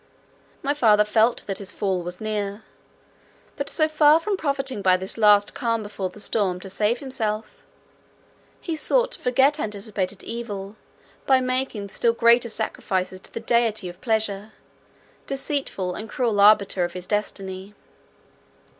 My father felt that his fall was near; but so far from profiting by this last calm before the storm to save himself, he sought to forget anticipated evil by making still greater sacrifices to the deity of pleasure, deceitful and cruel arbiter of his destiny.